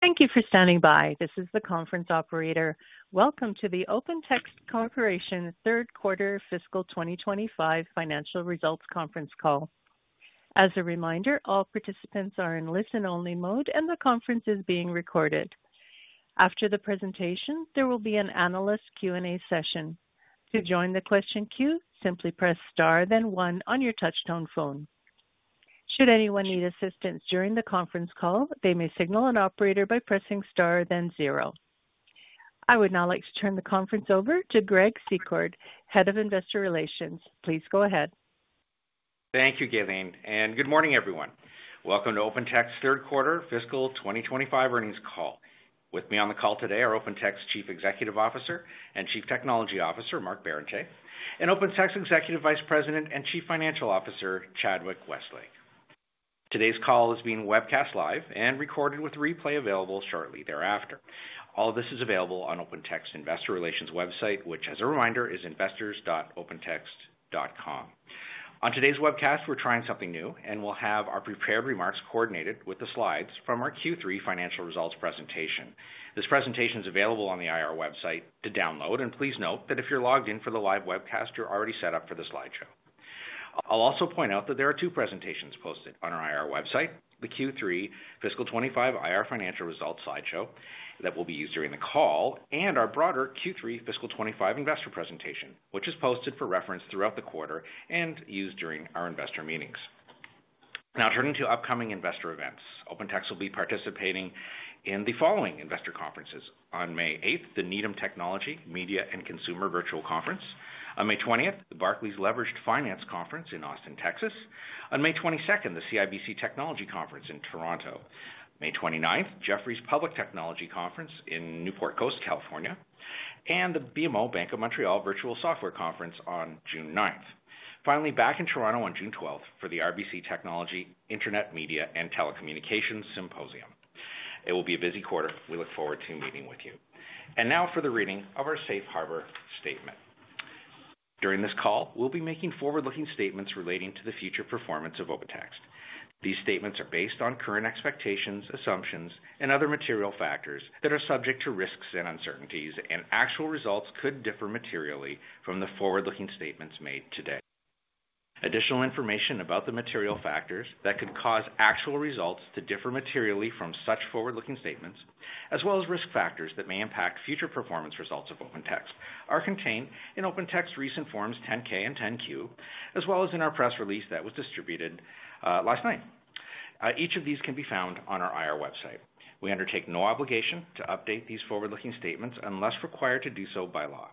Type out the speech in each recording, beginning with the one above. Thank you for standing by. This is the conference operator. Welcome to the OpenText Corporation Third Quarter Fiscal 2025 Financial Results Conference Call. As a reminder, all participants are in listen-only mode, and the conference is being recorded. After the presentation, there will be an analyst Q&A session. To join the question queue, simply press star, then one on your touchtone phone. Should anyone need assistance during the conference call, they may signal an operator by pressing star, then zero. I would now like to turn the conference over to Greg Secord, Head of Investor Relations. Please go ahead. Thank you, Gaylene, and good morning, everyone. Welcome to OpenText's Third Quarter Fiscal 2025 Earnings Call. With me on the call today are OpenText's Chief Executive Officer and Chief Technology Officer, Mark Barrenechea, and OpenText's Executive Vice President and Chief Financial Officer, Chadwick Westlake. Today's call is being webcast live and recorded with replay available shortly thereafter. All of this is available on OpenText's Investor Relations website, which, as a reminder, is investors.opentext.com. On today's webcast, we're trying something new, and we'll have our prepared remarks coordinated with the slides from our Q3 financial results presentation. This presentation is available on the IR website to download, and please note that if you're logged in for the live webcast, you're already set up for the slideshow. I'll also point out that there are two presentations posted on our IR website, the Q3 Fiscal 2025 IR Financial Results Slideshow that will be used during the call, and our broader Q3 Fiscal 2025 Investor Presentation, which is posted for reference throughout the quarter and used during our investor meetings. Now, turning to upcoming investor events, OpenText will be participating in the following investor conferences: on May 8th, the Needham Technology Media and Consumer Virtual Conference; on May 20th, the Barclays Leveraged Finance Conference in Austin, Texas; on May 22nd, the CIBC Technology Conference in Toronto; May 29th, Jefferies Public Technology Conference in Newport Coast, California; and the BMO Bank of Montreal Virtual Software Conference on June 9th. Finally, back in Toronto on June 12th for the RBC Technology Internet Media and Telecommunications Symposium. It will be a busy quarter. We look forward to meeting with you. Now for the reading of our Safe Harbor Statement. During this call, we'll be making forward-looking statements relating to the future performance of OpenText. These statements are based on current expectations, assumptions, and other material factors that are subject to risks and uncertainties, and actual results could differ materially from the forward-looking statements made today. Additional information about the material factors that could cause actual results to differ materially from such forward-looking statements, as well as risk factors that may impact future performance results of OpenText, are contained in OpenText's recent forms 10-K and 10-Q, as well as in our press release that was distributed last night. Each of these can be found on our IR website. We undertake no obligation to update these forward-looking statements unless required to do so by law.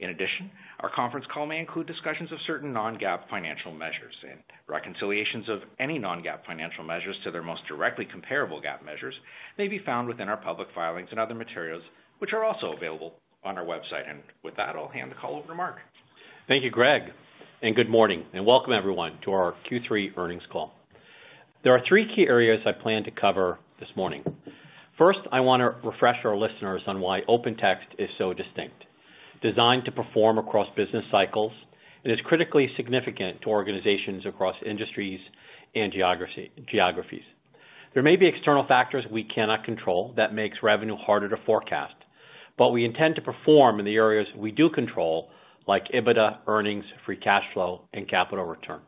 In addition, our conference call may include discussions of certain non-GAAP financial measures, and reconciliations of any non-GAAP financial measures to their most directly comparable GAAP measures may be found within our public filings and other materials, which are also available on our website. With that, I'll hand the call over to Mark. Thank you, Greg, and good morning, and welcome everyone to our Q3 earnings call. There are three key areas I plan to cover this morning. First, I want to refresh our listeners on why OpenText is so distinct. Designed to perform across business cycles, it is critically significant to organizations across industries and geographies. There may be external factors we cannot control that make revenue harder to forecast, but we intend to perform in the areas we do control, like EBITDA, earnings, free cash flow, and capital return.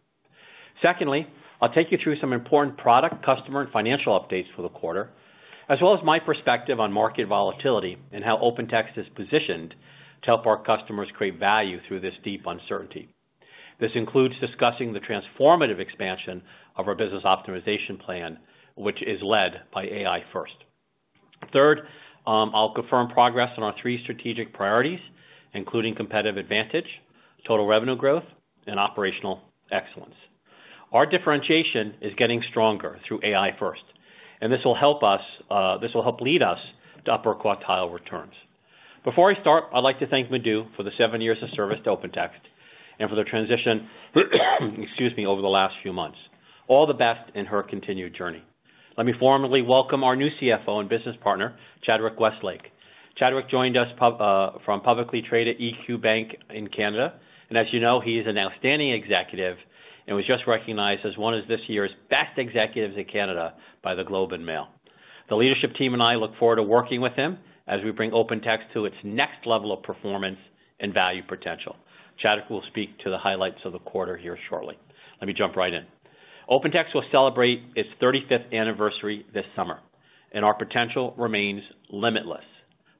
Secondly, I'll take you through some important product, customer, and financial updates for the quarter, as well as my perspective on market volatility and how OpenText is positioned to help our customers create value through this deep uncertainty. This includes discussing the transformative expansion of our Business Optimization Plan, which is led by AI First. Third, I'll confirm progress on our three strategic priorities, including competitive advantage, total revenue growth, and operational excellence. Our differentiation is getting stronger through AI First, and this will help us; this will help lead us to upper quartile returns. Before I start, I'd like to thank Madhu for the seven years of service to OpenText and for the transition, excuse me, over the last few months. All the best in her continued journey. Let me formally welcome our new CFO and business partner, Chadwick Westlake. Chadwick joined us from publicly traded EQ Bank in Canada, and as you know, he is an outstanding executive and was just recognized as one of this year's best executives in Canada by the Globe and Mail. The leadership team and I look forward to working with him as we bring OpenText to its next level of performance and value potential. Chadwick will speak to the highlights of the quarter here shortly. Let me jump right in. OpenText will celebrate its 35th anniversary this summer, and our potential remains limitless.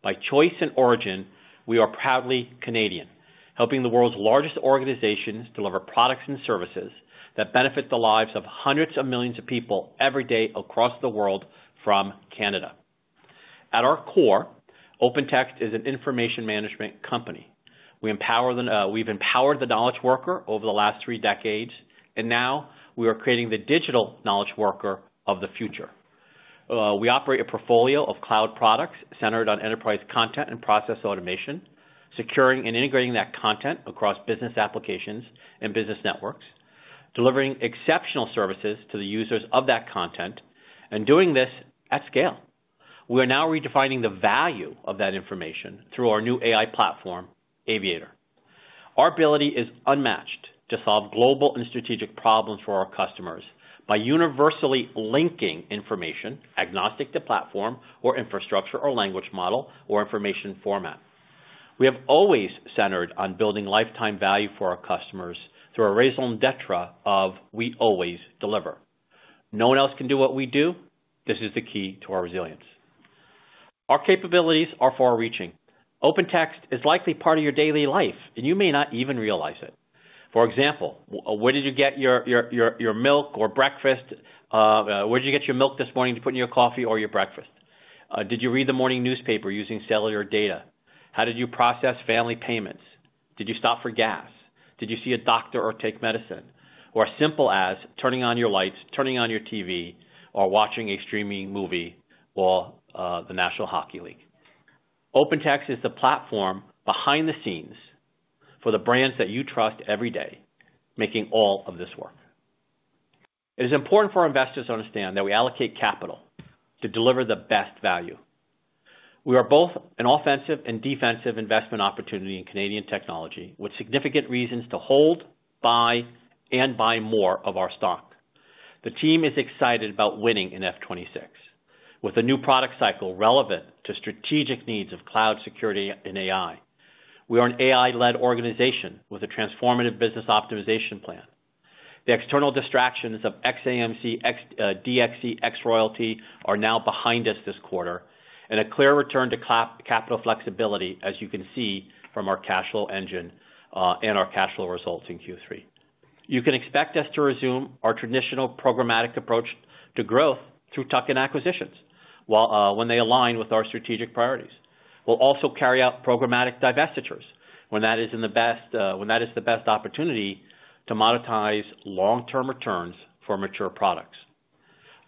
By choice and origin, we are proudly Canadian, helping the world's largest organizations deliver products and services that benefit the lives of hundreds of millions of people every day across the world from Canada. At our core, OpenText is an information management company. We've empowered the knowledge worker over the last three decades, and now we are creating the digital knowledge worker of the future. We operate a portfolio of cloud products centered on enterprise content and process automation, securing and integrating that content across business applications and business networks, delivering exceptional services to the users of that content, and doing this at scale. We are now redefining the value of that information through our new AI platform, Aviator. Our ability is unmatched to solve global and strategic problems for our customers by universally linking information agnostic to platform or infrastructure or language model or information format. We have always centered on building lifetime value for our customers through a raison d'être of, "We always deliver." No one else can do what we do. This is the key to our resilience. Our capabilities are far-reaching. OpenText is likely part of your daily life, and you may not even realize it. For example, where did you get your milk or breakfast? Where did you get your milk this morning to put in your coffee or your breakfast? Did you read the morning newspaper using cellular data? How did you process family payments? Did you stop for gas? Did you see a doctor or take medicine? Or as simple as turning on your lights, turning on your TV, or watching a streaming movie or the National Hockey League? OpenText is the platform behind the scenes for the brands that you trust every day, making all of this work. It is important for investors to understand that we allocate capital to deliver the best value. We are both an offensive and defensive investment opportunity in Canadian technology, with significant reasons to hold, buy, and buy more of our stock. The team is excited about winning in fiscal 2026, with a new product cycle relevant to strategic needs of cloud security and AI. We are an AI-led organization with a transformative Business Optimization Plan. The external distractions of ex-AMC, DXC, ex-Royalty are now behind us this quarter, and a clear return to capital flexibility, as you can see from our cash flow engine and our cash flow results in Q3. You can expect us to resume our traditional programmatic approach to growth through tuck-in acquisitions when they align with our strategic priorities. We'll also carry out programmatic divestitures when that is the best opportunity to monetize long-term returns for mature products.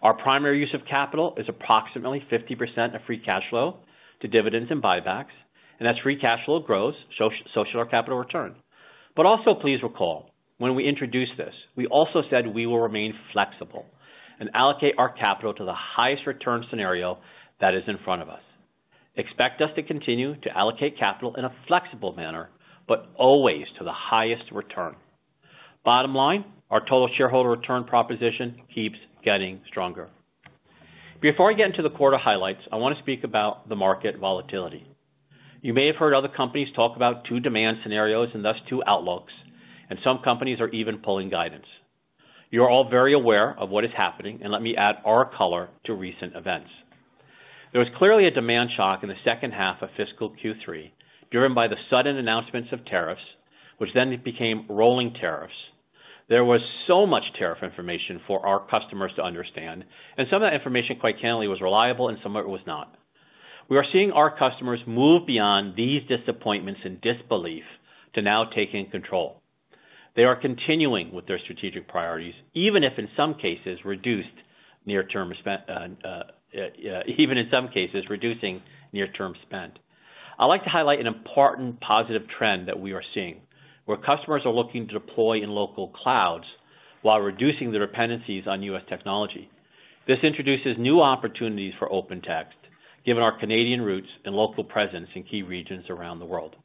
Our primary use of capital is approximately 50% of free cash flow to dividends and buybacks, and as free cash flow grows, so should our capital return. Also, please recall, when we introduced this, we also said we will remain flexible and allocate our capital to the highest return scenario that is in front of us. Expect us to continue to allocate capital in a flexible manner, but always to the highest return. Bottom line, our total shareholder return proposition keeps getting stronger. Before I get into the quarter highlights, I want to speak about the market volatility. You may have heard other companies talk about two demand scenarios and thus two outlooks, and some companies are even pulling guidance. You are all very aware of what is happening, and let me add our color to recent events. There was clearly a demand shock in the second half of fiscal Q3, driven by the sudden announcements of tariffs, which then became rolling tariffs. There was so much tariff information for our customers to understand, and some of that information quite candidly was reliable, and some of it was not. We are seeing our customers move beyond these disappointments and disbelief to now taking control. They are continuing with their strategic priorities, even if in some cases reducing near-term spend. I'd like to highlight an important positive trend that we are seeing, where customers are looking to deploy in local clouds while reducing their dependencies on U.S. technology. This introduces new opportunities for OpenText, given our Canadian roots and local presence in key regions around the world.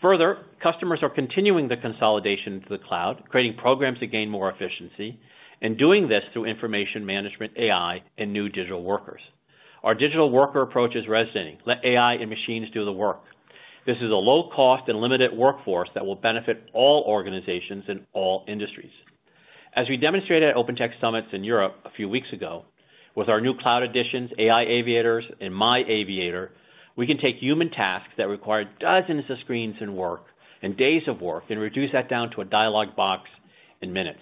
Further, customers are continuing the consolidation to the cloud, creating programs to gain more efficiency, and doing this through information management, AI, and new digital workers. Our digital worker approach is resonating. Let AI and machines do the work. This is a low-cost and limited workforce that will benefit all organizations in all industries. As we demonstrated at OpenText Summits in Europe a few weeks ago, with our new cloud additions, AI Aviators and My Aviator, we can take human tasks that require dozens of screens and days of work and reduce that down to a dialogue box in minutes.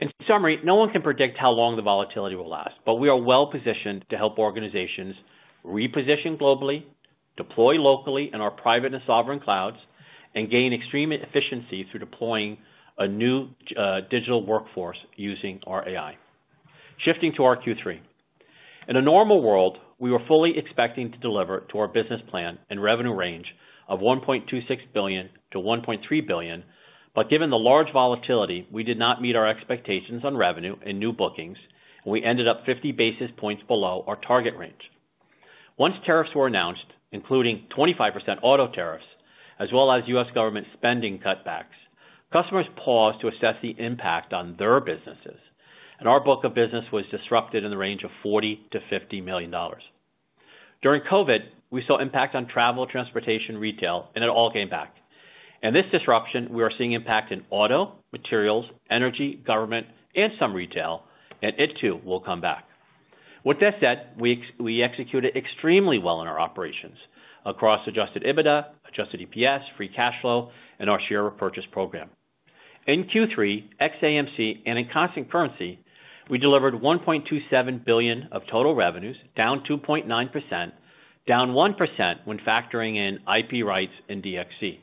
In summary, no one can predict how long the volatility will last, but we are well-positioned to help organizations reposition globally, deploy locally in our private and sovereign clouds, and gain extreme efficiency through deploying a new digital workforce using our AI. Shifting to our Q3. In a normal world, we were fully expecting to deliver to our business plan and revenue range of $1.26 billion-$1.3 billion, but given the large volatility, we did not meet our expectations on revenue and new bookings, and we ended up 50 basis points below our target range. Once tariffs were announced, including 25% auto tariffs, as well as U.S. government spending cutbacks, customers paused to assess the impact on their businesses, and our book of business was disrupted in the range of $40 million-$50 million. During COVID, we saw impact on travel, transportation, retail, and it all came back. This disruption, we are seeing impact in auto, materials, energy, government, and some retail, and it too will come back. With this said, we executed extremely well in our operations across adjusted EBITDA, adjusted EPS, free cash flow, and our share repurchase program. In Q3, ex-AMC, and in constant currency, we delivered $1.27 billion of total revenues, down 2.9%, down 1% when factoring in IP rights and DXC.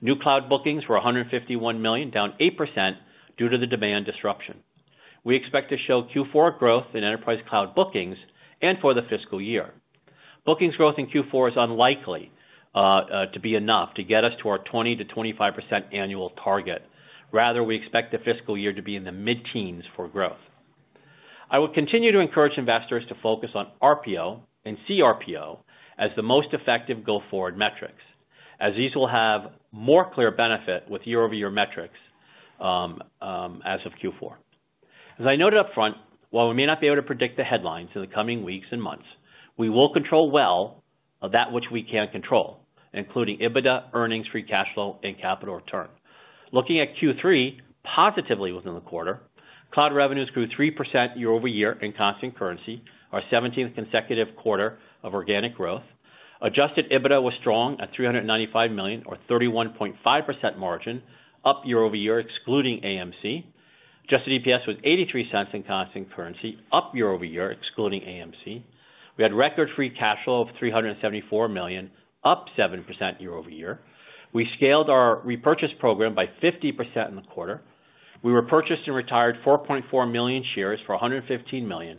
New cloud bookings were $151 million, down 8% due to the demand disruption. We expect to show Q4 growth in enterprise cloud bookings and for the fiscal year. Bookings growth in Q4 is unlikely to be enough to get us to our 20%-25% annual target. Rather, we expect the fiscal year to be in the mid-teens for growth. I will continue to encourage investors to focus on RPO and CRPO as the most effective go-forward metrics, as these will have more clear benefit with year-over-year metrics as of Q4. As I noted upfront, while we may not be able to predict the headlines in the coming weeks and months, we will control well that which we can control, including EBITDA, earnings, free cash flow, and capital return. Looking at Q3 positively within the quarter, cloud revenues grew 3% year-over-year in constant currency, our 17th consecutive quarter of organic growth. Adjusted EBITDA was strong at $395 million, or 31.5% margin, up year-over-year, excluding AMC. Adjusted EPS was $0.83 in constant currency, up year-over-year, excluding AMC. We had record free cash flow of $374 million, up 7% year-over-year. We scaled our repurchase program by 50% in the quarter. We repurchased and retired 4.4 million shares for $115 million,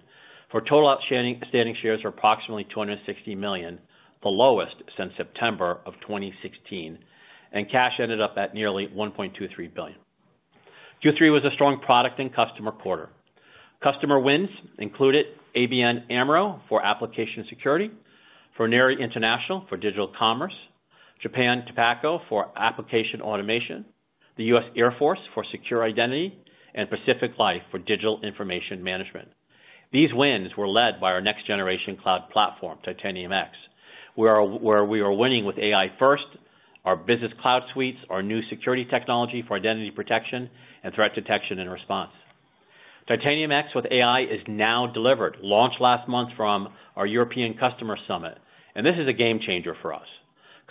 for total outstanding shares of approximately 260 million, the lowest since September of 2016, and cash ended up at nearly $1.23 billion. Q3 was a strong product and customer quarter. Customer wins included ABN AMRO for application security, Fornari International for digital commerce, Japan Tobacco for application automation, the U.S. Air Force for secure identity, and Pacific Life for digital information management. These wins were led by our next-generation cloud platform, Titanium X, where we are winning with AI First, our Business Cloud Suites, our new security technology for identity protection and threat detection and response. Titanium X with AI is now delivered, launched last month from our European customer summit, and this is a game changer for us.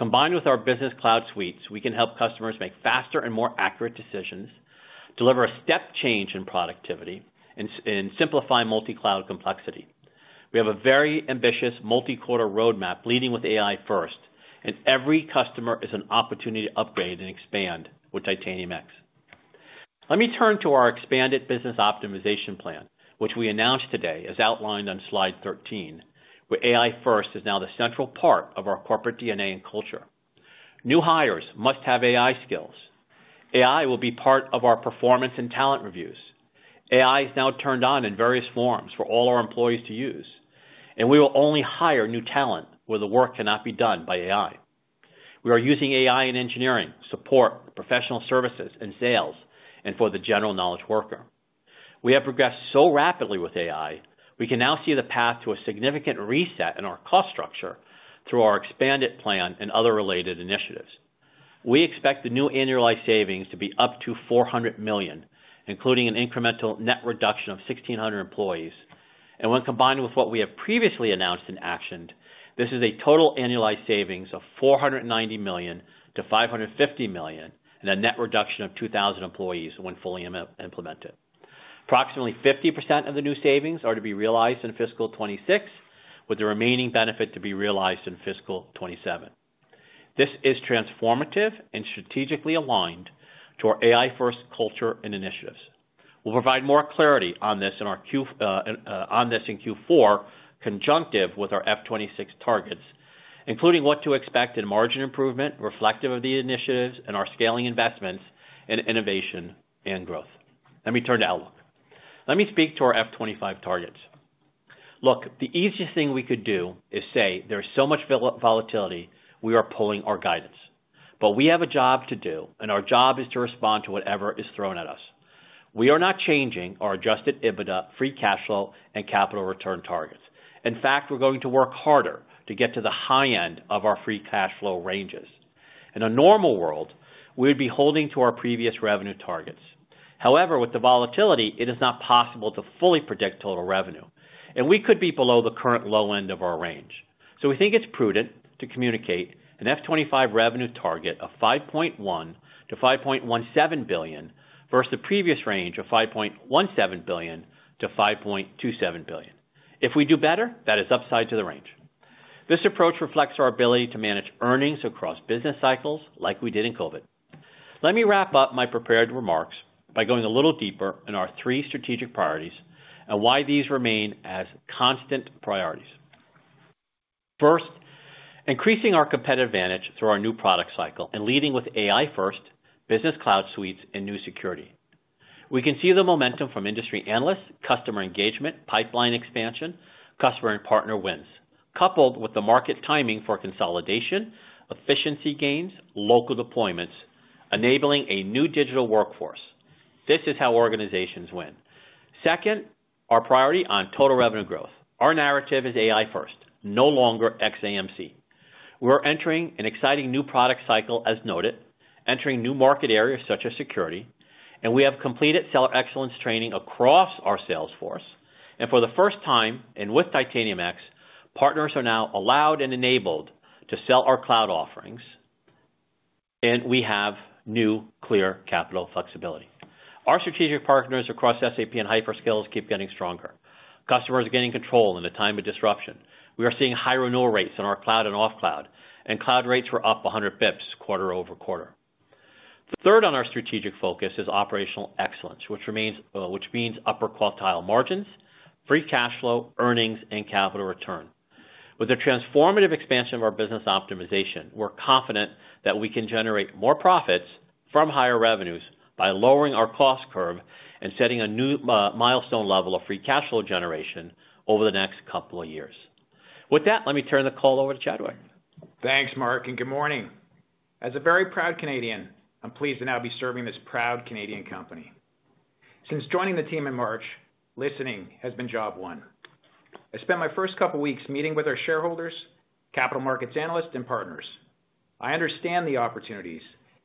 Combined with our Business Cloud Suites, we can help customers make faster and more accurate decisions, deliver a step change in productivity, and simplify multi-cloud complexity. We have a very ambitious multi-quarter roadmap leading with AI First, and every customer is an opportunity to upgrade and expand with Titanium X. Let me turn to our expanded Business Optimization Plan, which we announced today as outlined on slide 13, where AI First is now the central part of our corporate DNA and culture. New hires must have AI skills. AI will be part of our performance and talent reviews. AI is now turned on in various forms for all our employees to use, and we will only hire new talent where the work cannot be done by AI. We are using AI in engineering, support, professional services, and sales, and for the general knowledge worker. We have progressed so rapidly with AI, we can now see the path to a significant reset in our cost structure through our expanded plan and other related initiatives. We expect the new annualized savings to be up to $400 million, including an incremental net reduction of 1,600 employees. When combined with what we have previously announced and actioned, this is a total annualized savings of $490 million-$550 million and a net reduction of 2,000 employees when fully implemented. Approximately 50% of the new savings are to be realized in fiscal 2026, with the remaining benefit to be realized in fiscal 2027. This is transformative and strategically aligned to our AI First culture and initiatives. We'll provide more clarity on this in Q4, conjunctive with our fiscal 2026 targets, including what to expect in margin improvement, reflective of the initiatives and our scaling investments and innovation and growth. Let me turn to outlook. Let me speak to our fiscal 2025 targets. Look, the easiest thing we could do is say there is so much volatility, we are pulling our guidance. We have a job to do, and our job is to respond to whatever is thrown at us. We are not changing our adjusted EBITDA, free cash flow, and capital return targets. In fact, we're going to work harder to get to the high end of our free cash flow ranges. In a normal world, we would be holding to our previous revenue targets. However, with the volatility, it is not possible to fully predict total revenue, and we could be below the current low end of our range. We think it's prudent to communicate an fiscal 2025 revenue target of $5.1 billion-$5.17 billion versus the previous range of $5.17 billion-$5.27 billion. If we do better, that is upside to the range. This approach reflects our ability to manage earnings across business cycles like we did in COVID. Let me wrap up my prepared remarks by going a little deeper in our three strategic priorities and why these remain as constant priorities. First, increasing our competitive advantage through our new product cycle and leading with AI First, Business Cloud Suites, and new security. We can see the momentum from industry analysts, customer engagement, pipeline expansion, customer and partner wins, coupled with the market timing for consolidation, efficiency gains, local deployments, enabling a new digital workforce. This is how organizations win. Second, our priority on total revenue growth. Our narrative is AI First. No longer ex-AMC. We're entering an exciting new product cycle, as noted, entering new market areas such as security, and we have completed seller excellence training across our sales force. For the first time and with Titanium X, partners are now allowed and enabled to sell our cloud offerings, and we have new clear capital flexibility. Our strategic partners across SAP and Hyperscalers keep getting stronger. Customers are getting control in a time of disruption. We are seeing high renewal rates in our cloud and off cloud, and cloud rates were up 100 basis points quarter over quarter. Third on our strategic focus is operational excellence, which means upper quartile margins, free cash flow, earnings, and capital return. With the transformative expansion of our business optimization, we are confident that we can generate more profits from higher revenues by lowering our cost curve and setting a new milestone level of free cash flow generation over the next couple of years. With that, let me turn the call over to Chadwick. Thanks, Mark, and good morning. As a very proud Canadian, I am pleased to now be serving this proud Canadian company. Since joining the team in March, listening has been job one. I spent my first couple of weeks meeting with our shareholders, capital markets analysts, and partners. I understand the opportunities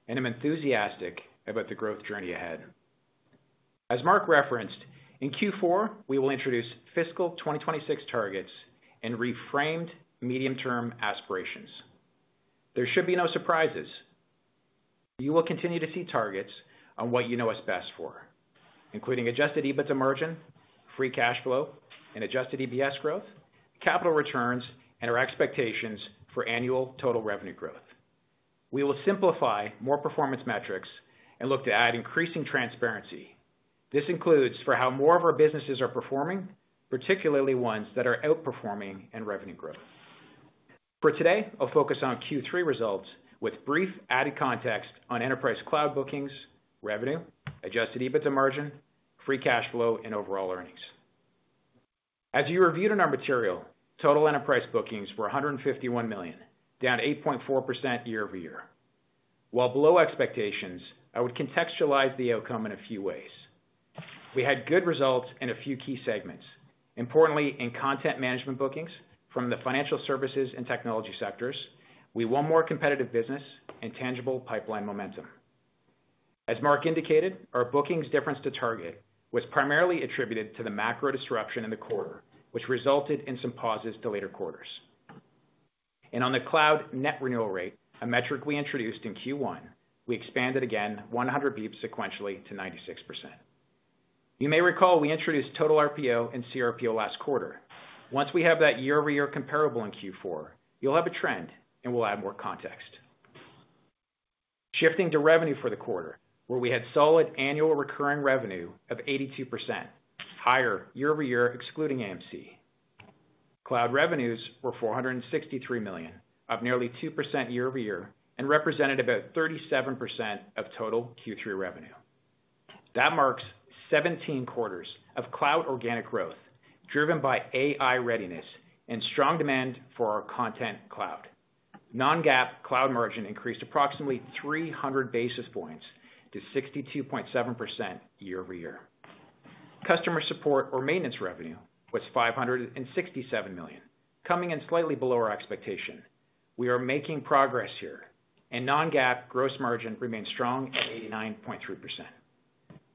and am enthusiastic about the growth journey ahead. As Mark referenced, in Q4, we will introduce fiscal 2026 targets and reframed medium-term aspirations. There should be no surprises. You will continue to see targets on what you know us best for, including adjusted EBITDA margin, free cash flow, and adjusted EPS growth, capital returns, and our expectations for annual total revenue growth. We will simplify more performance metrics and look to add increasing transparency. This includes for how more of our businesses are performing, particularly ones that are outperforming in revenue growth. For today, I'll focus on Q3 results with brief added context on enterprise cloud bookings, revenue, adjusted EBITDA margin, free cash flow, and overall earnings. As you reviewed in our material, total enterprise bookings were $151 million, down 8.4% year-over-year. While below expectations, I would contextualize the outcome in a few ways. We had good results in a few key segments. Importantly, in content management bookings from the financial services and technology sectors, we won more competitive business and tangible pipeline momentum. As Mark indicated, our bookings difference to target was primarily attributed to the macro disruption in the quarter, which resulted in some pauses to later quarters. On the cloud net renewal rate, a metric we introduced in Q1, we expanded again 100 basis points sequentially to 96%. You may recall we introduced total RPO and CRPO last quarter. Once we have that year-over-year comparable in Q4, you'll have a trend and we'll add more context. Shifting to revenue for the quarter, we had solid annual recurring revenue of 82%, higher year-over-year excluding AMC. Cloud revenues were $463 million, up nearly 2% year-over-year, and represented about 37% of total Q3 revenue. That marks 17 quarters of cloud organic growth driven by AI readiness and strong demand for our Content Cloud. Non-GAAP cloud margin increased approximately 300 basis points to 62.7% year-over-year. Customer support or maintenance revenue was $567 million, coming in slightly below our expectation. We are making progress here, and non-GAAP gross margin remains strong at 89.3%.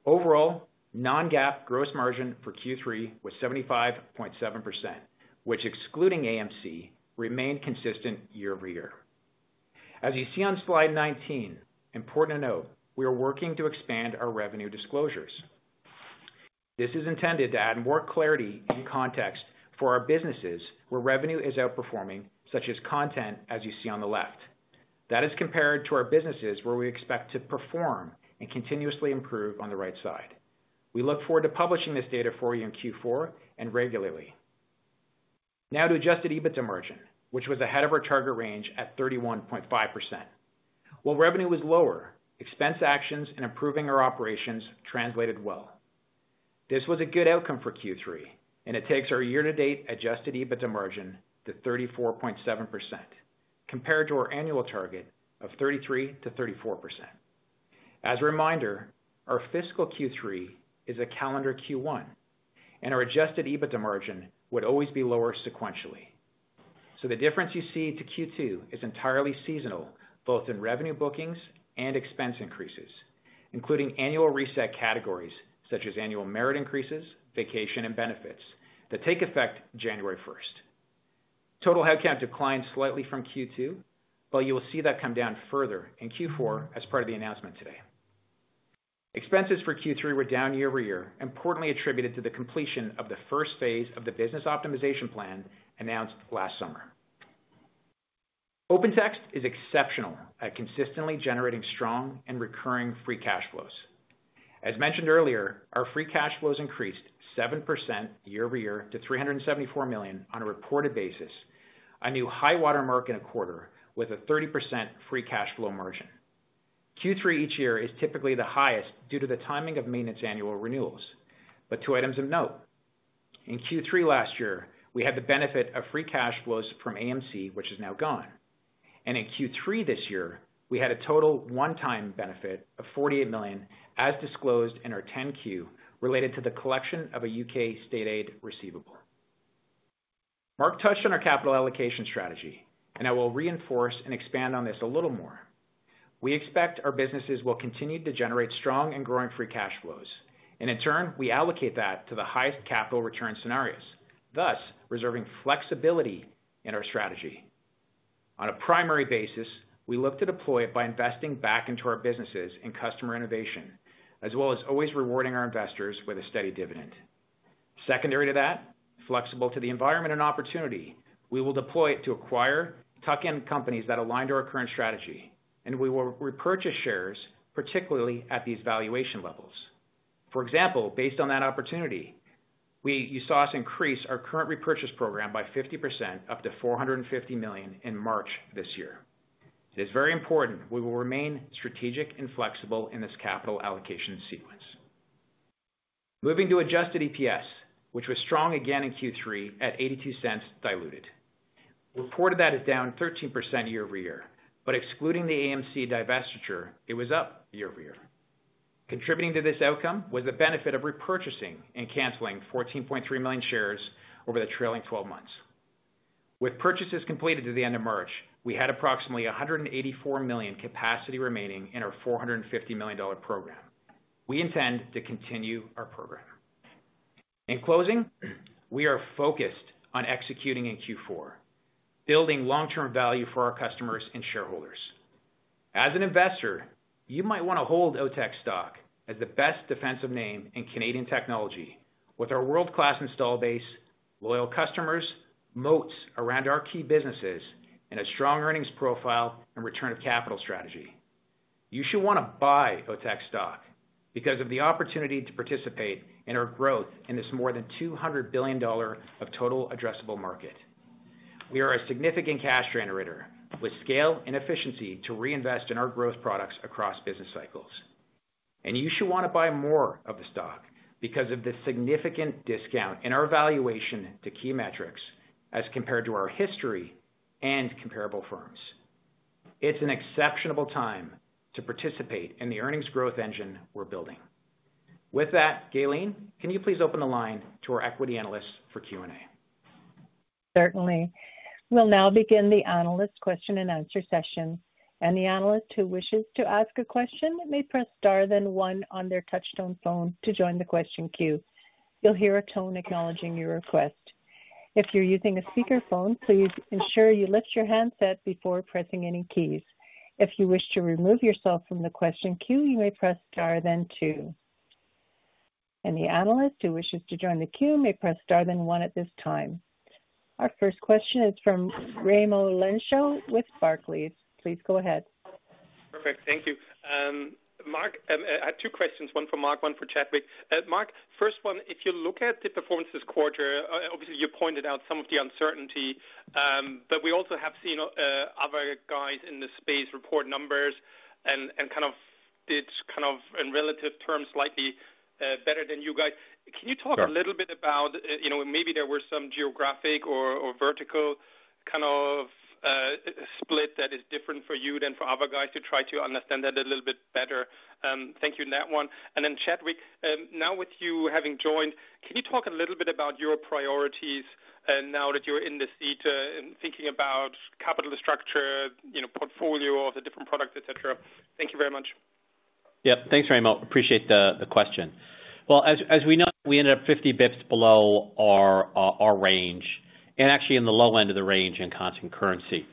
Overall, non-GAAP gross margin for Q3 was 75.7%, which excluding AMC remained consistent year-over-year. As you see on slide 19, important to note, we are working to expand our revenue disclosures. This is intended to add more clarity and context for our businesses where revenue is outperforming, such as content, as you see on the left. That is compared to our businesses where we expect to perform and continuously improve on the right side. We look forward to publishing this data for you in Q4 and regularly. Now to adjusted EBITDA margin, which was ahead of our target range at 31.5%. While revenue was lower, expense actions and improving our operations translated well. This was a good outcome for Q3, and it takes our year-to-date adjusted EBITDA margin to 34.7%, compared to our annual target of 33%-34%. As a reminder, our fiscal Q3 is a calendar Q1, and our adjusted EBITDA margin would always be lower sequentially. The difference you see to Q2 is entirely seasonal, both in revenue bookings and expense increases, including annual reset categories such as annual merit increases, vacation, and benefits that take effect January 1st. Total headcount declined slightly from Q2, but you will see that come down further in Q4 as part of the announcement today. Expenses for Q3 were down year-over-year, importantly attributed to the completion of the first phase of the Business Optimization Plan announced last summer. OpenText is exceptional at consistently generating strong and recurring free cash flows. As mentioned earlier, our free cash flows increased 7% year-over-year to $374 million on a reported basis, a new high watermark in a quarter with a 30% free cash flow margin. Q3 each year is typically the highest due to the timing of maintenance annual renewals. Two items of note. In Q3 last year, we had the benefit of free cash flows from AMC, which is now gone. In Q3 this year, we had a total one-time benefit of $48 million as disclosed in our 10Q related to the collection of a U.K. state aid receivable. Mark touched on our capital allocation strategy, and I will reinforce and expand on this a little more. We expect our businesses will continue to generate strong and growing free cash flows, and in turn, we allocate that to the highest capital return scenarios, thus reserving flexibility in our strategy. On a primary basis, we look to deploy it by investing back into our businesses and customer innovation, as well as always rewarding our investors with a steady dividend. Secondary to that, flexible to the environment and opportunity, we will deploy it to acquire, tuck in companies that align to our current strategy, and we will repurchase shares, particularly at these valuation levels. For example, based on that opportunity, you saw us increase our current repurchase program by 50% up to $450 million in March this year. It is very important we will remain strategic and flexible in this capital allocation sequence. Moving to adjusted EPS, which was strong again in Q3 at $0.82 diluted. Reported that is down 13% year-over-year, but excluding the AMC divestiture, it was up year-over-year. Contributing to this outcome was the benefit of repurchasing and canceling 14.3 million shares over the trailing 12 months. With purchases completed to the end of March, we had approximately $184 million capacity remaining in our $450 million program. We intend to continue our program. In closing, we are focused on executing in Q4, building long-term value for our customers and shareholders. As an investor, you might want to hold OpenText stock as the best defensive name in Canadian technology with our world-class install base, loyal customers, moats around our key businesses, and a strong earnings profile and return of capital strategy. You should want to buy OpenText stock because of the opportunity to participate in our growth in this more than $200 billion of total addressable market. We are a significant cash generator with scale and efficiency to reinvest in our growth products across business cycles. You should want to buy more of the stock because of the significant discount in our valuation to key metrics as compared to our history and comparable firms. It is an exceptional time to participate in the earnings growth engine we are building. With that, Gaylene, can you please open the line to our equity analysts for Q&A? Certainly. We will now begin the analyst question and answer session. Any analyst who wishes to ask a question may press star then one on their touchstone phone to join the question queue. You will hear a tone acknowledging your request. If you're using a speakerphone, please ensure you lift your handset before pressing any keys. If you wish to remove yourself from the question queue, you may press star then two. The analyst who wishes to join the queue may press star then one at this time. Our first question is from Raimo Lenschow with Barclays. Please go ahead. Perfect. Thank you. Mark, I have two questions, one for Mark, one for Chadwick. Mark, first one, if you look at the performance this quarter, obviously you pointed out some of the uncertainty, but we also have seen other guys in the space report numbers and kind of did kind of in relative terms slightly better than you guys. Can you talk a little bit about maybe there were some geographic or vertical kind of split that is different for you than for other guys to try to understand that a little bit better? Thank you on that one. Then Chadwick, now with you having joined, can you talk a little bit about your priorities now that you're in the seat and thinking about capital structure, portfolio of the different products, etc.? Thank you very much. Yep. Thanks, Raimo. Appreciate the question. As we know, we ended up 50 basis points below our range and actually in the low end of the range in constant currency.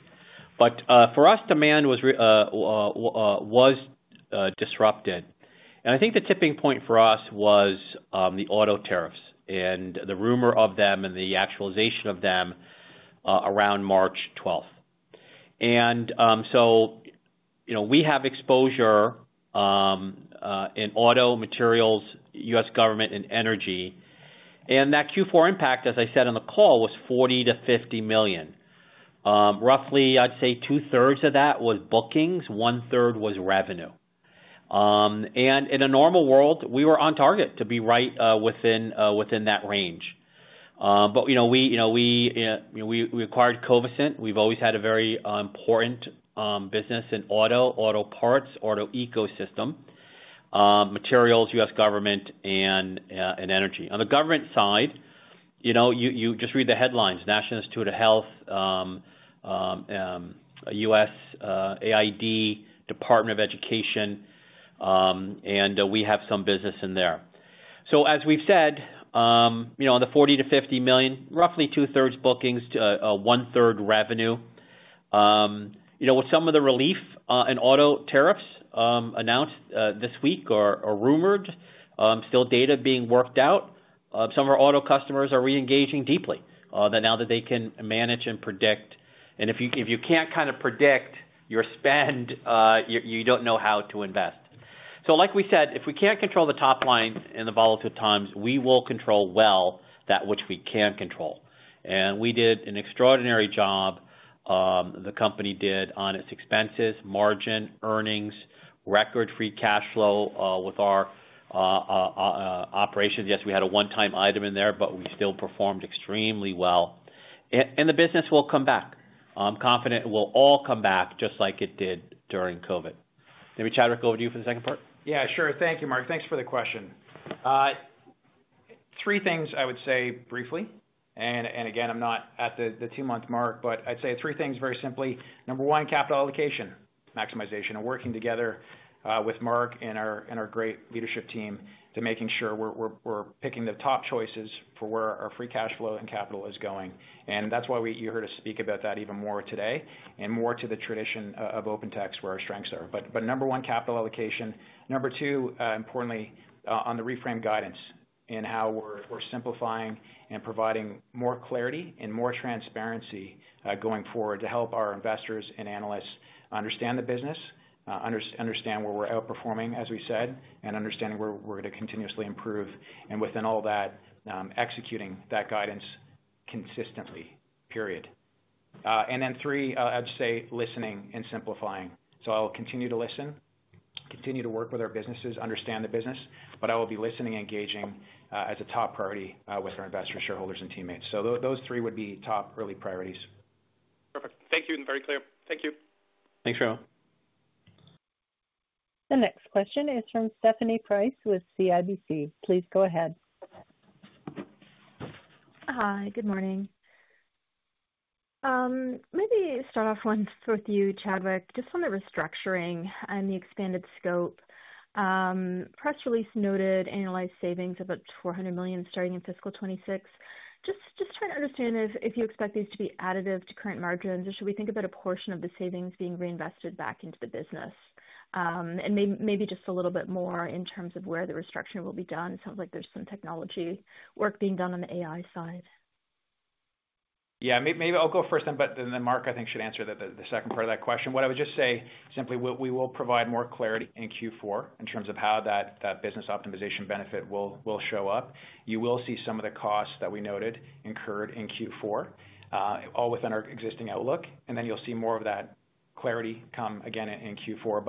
For us, demand was disrupted. I think the tipping point for us was the auto tariffs and the rumor of them and the actualization of them around March 12th. We have exposure in auto materials, U.S. government, and energy. That Q4 impact, as I said on the call, was $40 million-$50 million. Roughly, I'd say 2/3 of that was bookings, 1/3 was revenue. In a normal world, we were on target to be right within that range. We acquired Covisint. We've always had a very important business in auto, auto parts, auto ecosystem, materials, U.S. government, and energy. On the government side, you just read the headlines: National Institutes of Health, USAID, Department of Education, and we have some business in there. As we've said, on the $40 million-$50 million, roughly 2/2 bookings, 1/3 revenue. With some of the relief in auto tariffs announced this week or rumored, still data being worked out, some of our auto customers are reengaging deeply now that they can manage and predict. If you can't kind of predict your spend, you don't know how to invest. Like we said, if we can't control the top line in the volatile times, we will control well that which we can control. We did an extraordinary job. The company did on its expenses, margin, earnings, record free cash flow with our operations. Yes, we had a one-time item in there, but we still performed extremely well. The business will come back. I'm confident it will all come back just like it did during COVID. Maybe Chadwick, over to you for the second part. Yeah, sure. Thank you, Mark. Thanks for the question. Three things I would say briefly. Again, I'm not at the two-month mark, but I'd say three things very simply. Number one, capital allocation maximization. Working together with Mark and our great leadership team to making sure we're picking the top choices for where our free cash flow and capital is going. That is why you heard us speak about that even more today and more to the tradition of OpenText, where our strengths are. Number one, capital allocation. Number two, importantly, on the reframe guidance and how we're simplifying and providing more clarity and more transparency going forward to help our investors and analysts understand the business, understand where we're outperforming, as we said, and understanding where we're going to continuously improve. Within all that, executing that guidance consistently, period. Three, I'd say listening and simplifying. I'll continue to listen, continue to work with our businesses, understand the business, but I will be listening and engaging as a top priority with our investors, shareholders, and teammates. Those three would be top early priorities. Perfect. Thank you. Very clear. Thank you. Thanks, Raimo. The next question is from Stephanie Price with CIBC. Please go ahead. Hi. Good morning. Maybe start off one with you, Chadwick, just on the restructuring and the expanded scope. Press release noted annualized savings of up to $400 million starting in fiscal 2026. Just trying to understand if you expect these to be additive to current margins, or should we think about a portion of the savings being reinvested back into the business? Maybe just a little bit more in terms of where the restructuring will be done. It sounds like there's some technology work being done on the AI side. Yeah. Maybe I'll go first, but then Mark, I think, should answer the second part of that question. What I would just say simply, we will provide more clarity in Q4 in terms of how that business optimization benefit will show up. You will see some of the costs that we noted incurred in Q4, all within our existing outlook. You will see more of that clarity come again in Q4.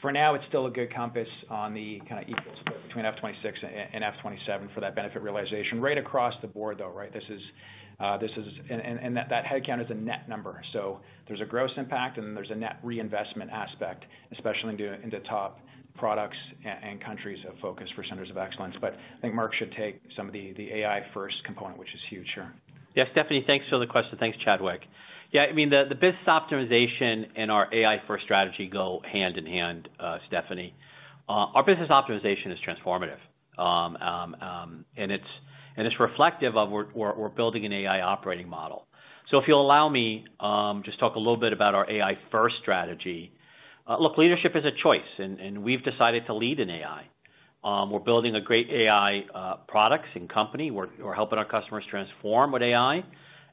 For now, it's still a good compass on the kind of equal split between fiscal 2026 and fiscal 2027 for that benefit realization rate across the board, though, right? That headcount is a net number. There is a gross impact, and then there is a net reinvestment aspect, especially into top products and countries of focus for centers of excellence. I think Mark should take some of the AI First component, which is huge, sure. Yes, Stephanie, thanks for the question. Thanks, Chadwick. Yeah, I mean, the business optimization and our AI-first strategy go hand in hand, Stephanie. Our business optimization is transformative, and it's reflective of where we're building an AI operating model. If you'll allow me to just talk a little bit about our AI-first strategy. Look, leadership is a choice, and we've decided to lead in AI. We're building a great AI products and company. We're helping our customers transform with AI,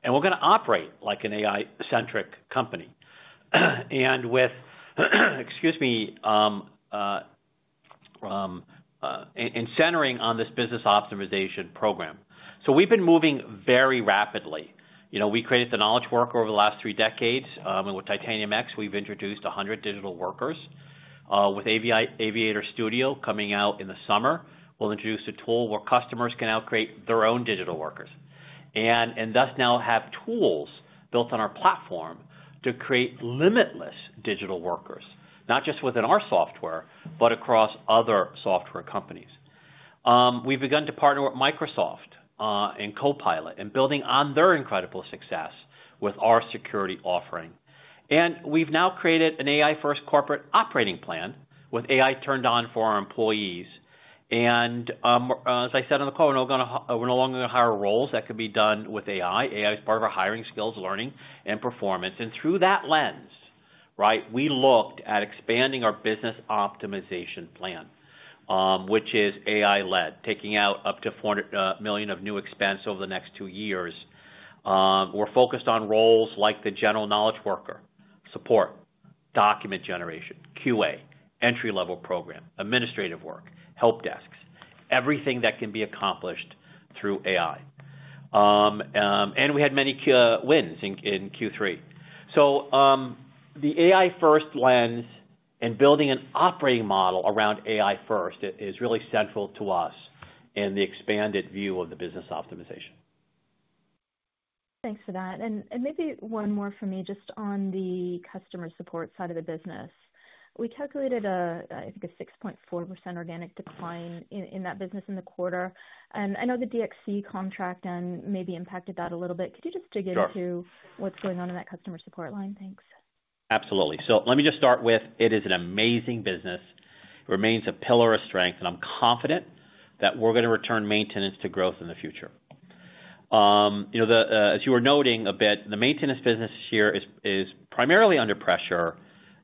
and we're going to operate like an AI-centric company and with, excuse me, in centering on this business optimization program. We've been moving very rapidly. We created the knowledge work over the last three decades. And with Titanium X, we've introduced 100 digital workers. With Aviator Studio coming out in the summer, we'll introduce a tool where customers can now create their own digital workers and thus now have tools built on our platform to create limitless digital workers, not just within our software, but across other software companies. We've begun to partner with Microsoft and Copilot and building on their incredible success with our security offering. We've now created an AI-first corporate operating plan with AI turned on for our employees. As I said on the call, we're no longer going to hire roles that could be done with AI. AI is part of our hiring skills, learning, and performance. Through that lens, right, we looked at expanding our Business Optimization Plan, which is AI-led, taking out up to $400 million of new expense over the next two years. We're focused on roles like the general knowledge worker, support, document generation, QA, entry-level program, administrative work, help desks, everything that can be accomplished through AI. We had many wins in Q3. The AI-first lens and building an operating model around AI-first is really central to us in the expanded view of the business optimization. Thanks for that. Maybe one more for me just on the customer support side of the business. We calculated, I think, a 6.4% organic decline in that business in the quarter. I know the DXC contract then maybe impacted that a little bit. Could you just dig into what's going on in that customer support line? Thanks. Absolutely. Let me just start with, it is an amazing business. It remains a pillar of strength, and I'm confident that we're going to return maintenance to growth in the future. As you were noting a bit, the maintenance business here is primarily under pressure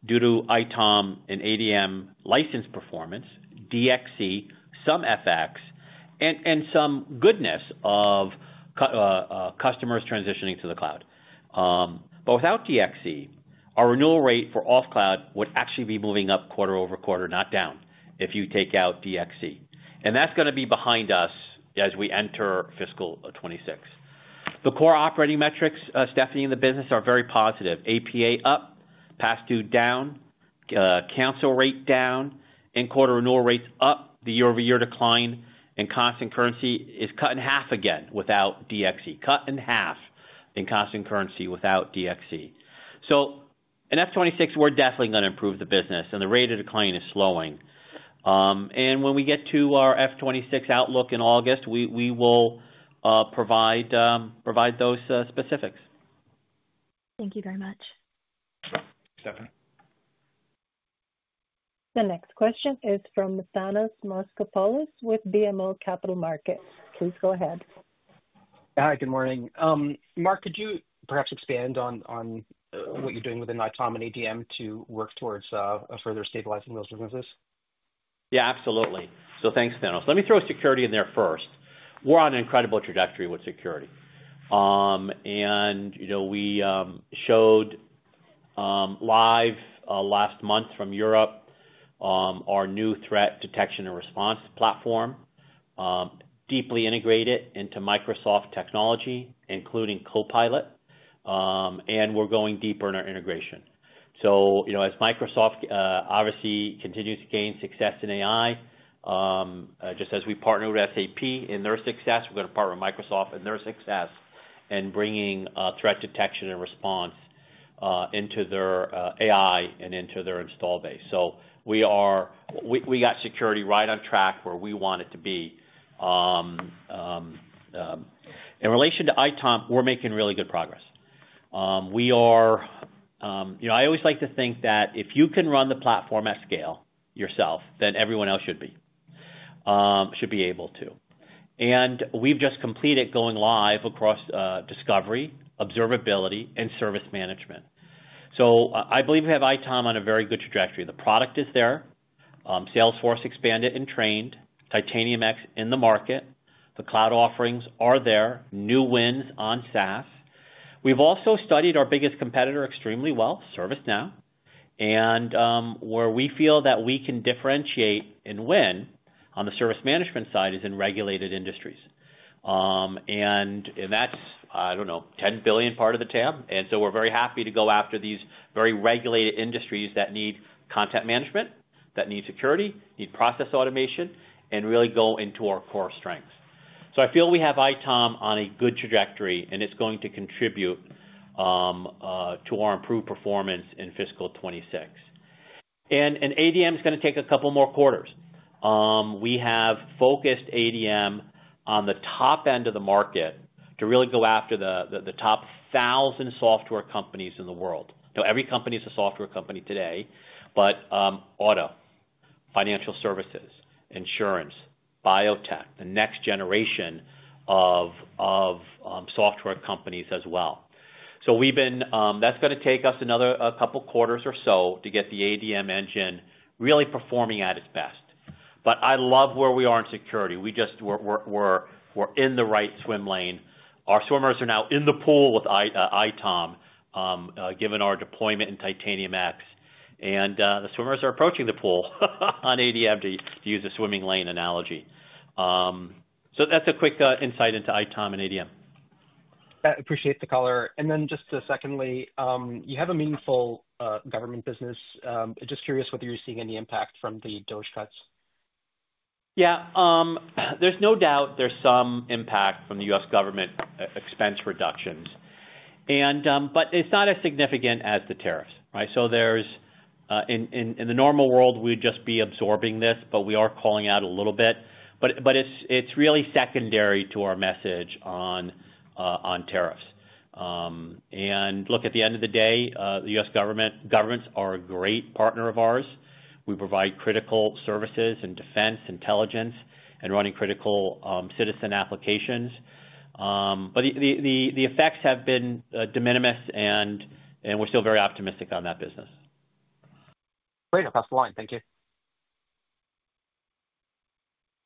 due to ITOM and ADM license performance, DXC, some FX, and some goodness of customers transitioning to the cloud. Without DXC, our renewal rate for off-cloud would actually be moving up quarter over quarter, not down, if you take out DXC. That is going to be behind us as we enter fiscal 2026. The core operating metrics, Stephanie, in the business are very positive. APA up, passthrough down, cancel rate down, in quarter renewal rates up, the year-over-year decline, and constant currency is cut in half again without DXC. Cut in half in constant currency without DXC. In fiscal 2026, we are definitely going to improve the business, and the rate of decline is slowing. When we get to our fiscal 2026 outlook in August, we will provide those specifics. Thank you very much. Stephanie. The next question is from Thanos Moschopoulos with BMO Capital Markets. Please go ahead. Hi. Good morning. Mark, could you perhaps expand on what you're doing within ITOM and ADM to work towards further stabilizing those businesses? Yeah, absolutely. Thanks, Thanos. Let me throw security in there first. We're on an incredible trajectory with security. We showed live last month from Europe our new threat detection and response platform, deeply integrated into Microsoft technology, including Copilot. We're going deeper in our integration. As Microsoft obviously continues to gain success in AI, just as we partner with SAP in their success, we're going to partner with Microsoft in their success and bringing threat detection and response into their AI and into their install base. We got security right on track where we want it to be. In relation to ITOM, we're making really good progress. I always like to think that if you can run the platform at scale yourself, then everyone else should be able to. We have just completed going live across discovery, observability, and service management. I believe we have ITOM on a very good trajectory. The product is there. sales force expanded and trained. Titanium X in the market. The cloud offerings are there. New wins on SaaS. We have also studied our biggest competitor extremely well, ServiceNow. Where we feel that we can differentiate and win on the service management side is in regulated industries. That is, I do not know, $10 billion part of the tab. We are very happy to go after these very regulated industries that need content management, that need security, need process automation, and really go into our core strengths. I feel we have ITOM on a good trajectory, and it's going to contribute to our improved performance in fiscal 2026. ADM is going to take a couple more quarters. We have focused ADM on the top end of the market to really go after the top 1,000 software companies in the world. Every company is a software company today, but auto, financial services, insurance, biotech, the next generation of software companies as well. That's going to take us another couple of quarters or so to get the ADM engine really performing at its best. I love where we are in security. We're in the right swim lane. Our swimmers are now in the pool with ITOM, given our deployment in Titanium X. The swimmers are approaching the pool on ADM, to use a swimming lane analogy. That's a quick insight into ITOM and ADM. I appreciate the color. Just secondly, you have a meaningful government business. Just curious whether you're seeing any impact from the DOGE cuts. Yeah. There's no doubt there's some impact from the U.S. government expense reductions. It's not as significant as the tariffs, right? In the normal world, we would just be absorbing this, but we are calling out a little bit. It's really secondary to our message on tariffs. Look, at the end of the day, the U.S. government governments are a great partner of ours. We provide critical services in defense, intelligence, and running critical citizen applications. The effects have been de minimis, and we're still very optimistic on that business. Great. I'll pass the line. Thank you.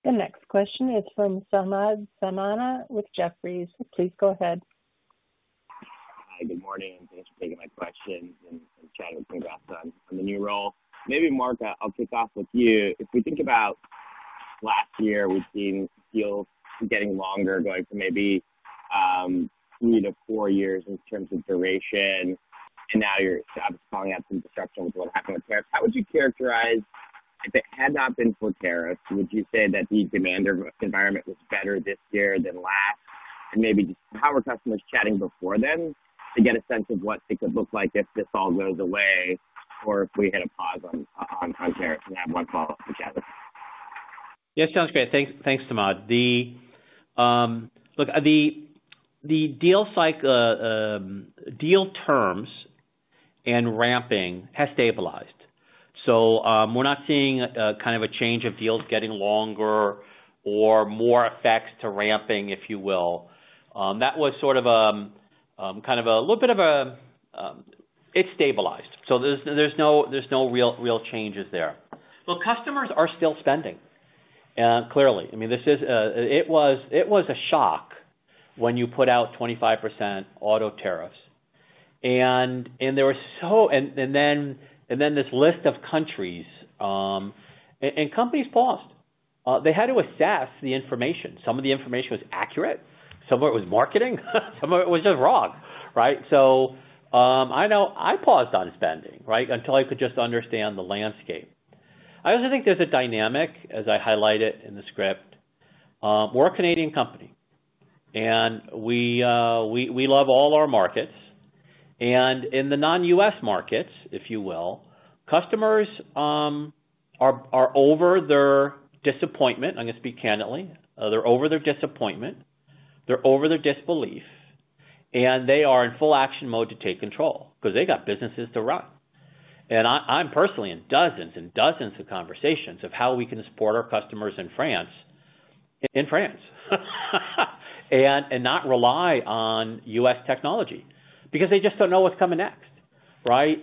The next question is from Samad Samana with Jefferies. Please go ahead. Hi. Good morning. Thanks for taking my question. Chadwick, congrats on the new role. Maybe, Mark, I'll kick off with you. If we think about last year, we've seen deals getting longer, going for maybe three to four years in terms of duration. Now you're calling out some disruption with what happened with tariffs. How would you characterize if it had not been for tariffs? Would you say that the demand environment was better this year than last? Maybe just how were customers chatting before then to get a sense of what it could look like if this all goes away or if we hit a pause on tariffs? I have one follow-up with Chadwick. Yeah, sounds great. Thanks, Samad. Look, the deal terms and ramping have stabilized. We're not seeing kind of a change of deals getting longer or more effects to ramping, if you will. That was sort of kind of a little bit of a it stabilized. There are no real changes there. Customers are still spending, clearly. I mean, it was a shock when you put out 25% auto tariffs. There was this list of countries and companies paused. They had to assess the information. Some of the information was accurate. Some of it was marketing. Some of it was just wrong, right? I know I paused on spending, right, until I could just understand the landscape. I also think there is a dynamic, as I highlighted in the script. We are a Canadian company, and we love all our markets. In the non-U.S. markets, if you will, customers are over their disappointment. I am going to speak candidly. They are over their disappointment. They are over their disbelief. They are in full action mode to take control because they got businesses to run. I'm personally in dozens and dozens of conversations of how we can support our customers in France and not rely on U.S. technology because they just do not know what's coming next, right?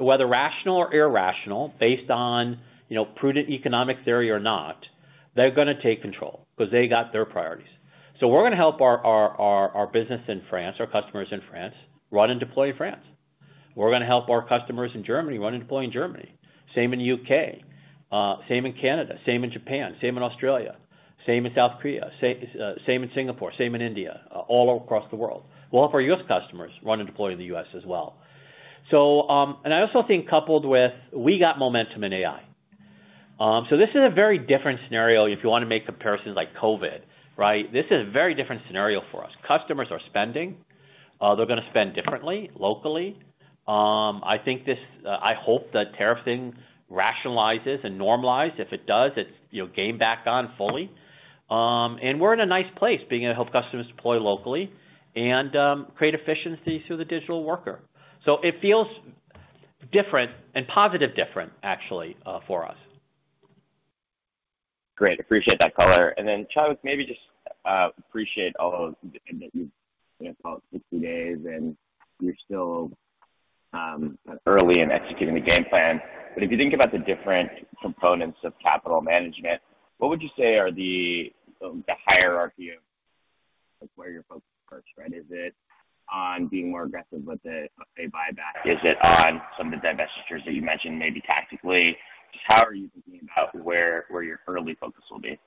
Whether rational or irrational, based on prudent economic theory or not, they're going to take control because they got their priorities. We are going to help our business in France, our customers in France, run and deploy in France. We are going to help our customers in Germany run and deploy in Germany. Same in the U.K. Same in Canada. Same in Japan. Same in Australia. Same in South Korea. Same in Singapore. Same in India. All across the world. We will help our U.S. customers run and deploy in the U.S. as well. I also think coupled with we got momentum in AI. This is a very different scenario if you want to make comparisons like COVID, right? This is a very different scenario for us. Customers are spending. They're going to spend differently, locally. I hope that tariffing rationalizes and normalizes. If it does, it's gained back on fully. We're in a nice place being able to help customers deploy locally and create efficiencies through the digital worker. It feels different and positive different, actually, for us. Great. Appreciate that color. Chadwick, maybe just appreciate all that you've talked for two days, and you're still early in executing the game plan. If you think about the different components of capital management, what would you say are the hierarchy of where your focus first? Is it on being more aggressive with the ASR buyback? Is it on some of the divestitures that you mentioned, maybe tactically? Just how are you thinking about where your early focus will be?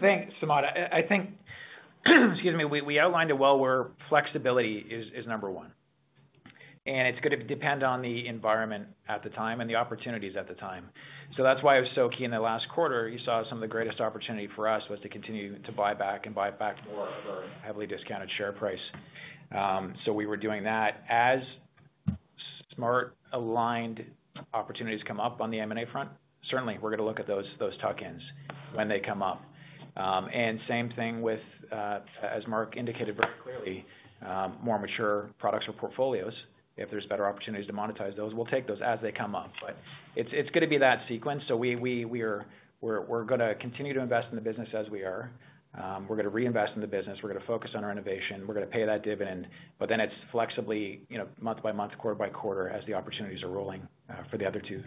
Thanks, Samad. I think, excuse me, we outlined it well where flexibility is number one. It is going to depend on the environment at the time and the opportunities at the time. That is why it was so key in the last quarter. You saw some of the greatest opportunity for us was to continue to buy back and buy back more for a heavily discounted share price. We were doing that. As smart-aligned opportunities come up on the M&A front, certainly, we are going to look at those tuck-ins when they come up. Same thing with, as Mark indicated very clearly, more mature products or portfolios. If there are better opportunities to monetize those, we will take those as they come up. It's going to be that sequence. We're going to continue to invest in the business as we are. We're going to reinvest in the business. We're going to focus on our innovation. We're going to pay that dividend. Then it's flexibly month by month, quarter-by-quarter as the opportunities are rolling for the other two.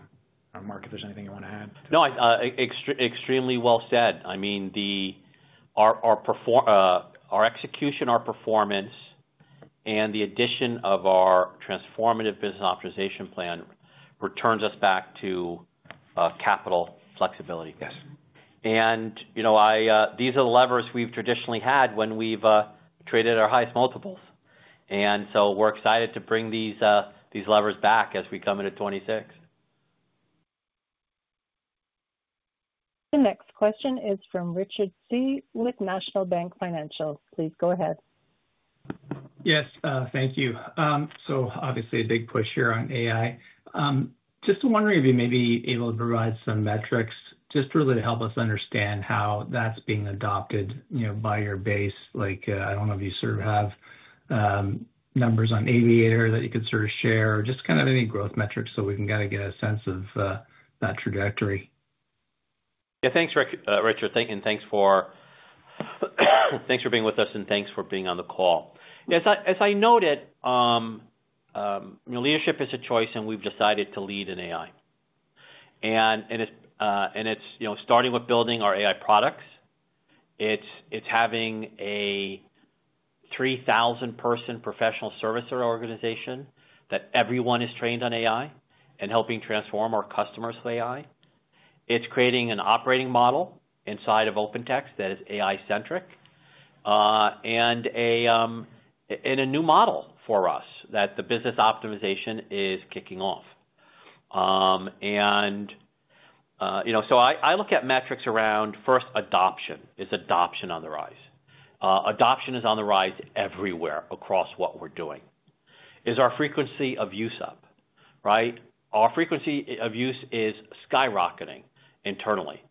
Mark, if there's anything you want to add. No, extremely well said. I mean, our execution, our performance, and the addition of our transformative Business Optimization Plan returns us back to capital flexibility. These are the levers we've traditionally had when we've traded our highest multiples. We're excited to bring these levers back as we come into 2026. The next question is from Richard Tse with National Bank Financial. Please go ahead. Yes. Thank you. Obviously, a big push here on AI. Just wondering if you may be able to provide some metrics just really to help us understand how that's being adopted by your base. I don't know if you sort of have numbers on Aviator that you could sort of share or just kind of any growth metrics so we can kind of get a sense of that trajectory. Yeah. Thanks, Richard. Thank you. And thanks for being with us, and thanks for being on the call. As I noted, leadership is a choice, and we've decided to lead in AI. It's starting with building our AI products. It's having a 3,000-person professional services organization that everyone is trained on AI and helping transform our customers with AI. It's creating an operating model inside of OpenText that is AI-centric and a new model for us that the business optimization is kicking off. I look at metrics around first adoption. Is adoption on the rise? Adoption is on the rise everywhere across what we're doing. Is our frequency of use up, right? Our frequency of use is skyrocketing internally.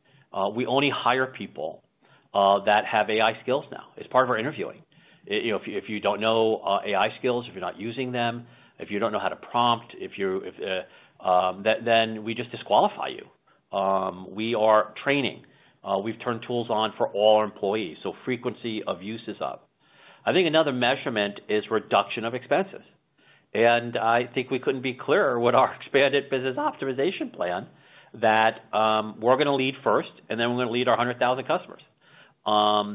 We only hire people that have AI skills now as part of our interviewing. If you don't know AI skills, if you're not using them, if you don't know how to prompt, then we just disqualify you. We are training. We've turned tools on for all our employees. Frequency of use is up. I think another measurement is reduction of expenses. I think we couldn't be clearer with our expanded Business Optimization Plan that we're going to lead first, and then we're going to lead our 100,000 customers.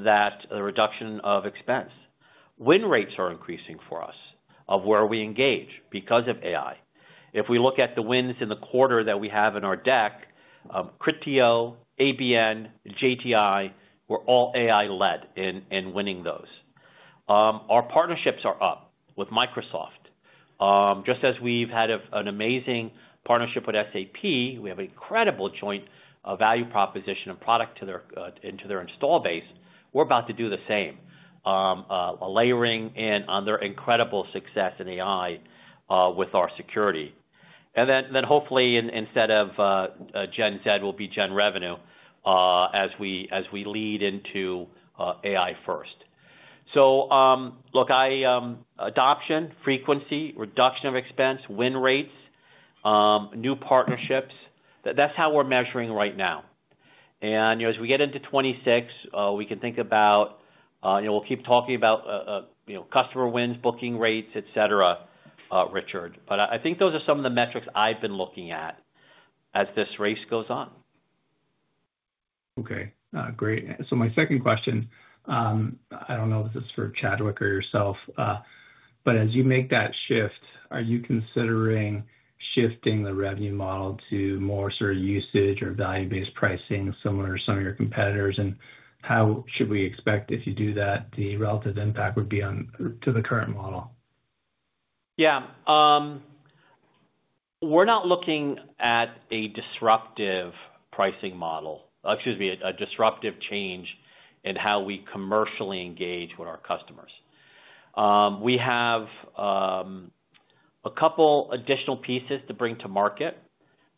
That reduction of expense. Win rates are increasing for us of where we engage because of AI. If we look at the wins in the quarter that we have in our deck, Criteo, ABN AMRO, JTI, were all AI-led in winning those. Our partnerships are up with Microsoft. Just as we've had an amazing partnership with SAP, we have an incredible joint value proposition and product to their install base. We're about to do the same, layering in on their incredible success in AI with our security. Hopefully, instead of Gen Z, we'll be Gen Revenue as we lead into AI First. Look, adoption, frequency, reduction of expense, win rates, new partnerships. That's how we're measuring right now. As we get into 2026, we can think about we'll keep talking about customer wins, booking rates, etc., Richard. I think those are some of the metrics I've been looking at as this race goes on. Okay. Great. My second question, I don't know if this is for Chadwick or yourself, but as you make that shift, are you considering shifting the revenue model to more sort of usage or value-based pricing similar to some of your competitors? How should we expect if you do that, the relative impact would be on to the current model? Yeah. We're not looking at a disruptive pricing model, excuse me, a disruptive change in how we commercially engage with our customers. We have a couple additional pieces to bring to market.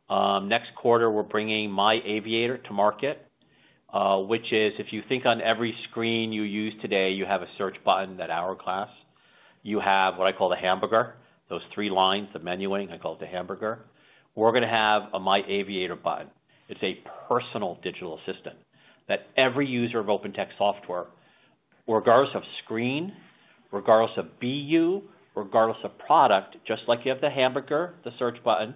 Next quarter, we're bringing My Aviator to market, which is, if you think on every screen you use today, you have a search button, that hourglass. You have what I call the hamburger, those three lines, the menuing. I call it the hamburger. We're going to have a My Aviator button. It's a personal digital assistant that every user of OpenText software, regardless of screen, regardless of BU, regardless of product, just like you have the hamburger, the search button,